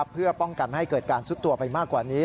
เพื่อป้องกันไม่ให้เกิดการซุดตัวไปมากกว่านี้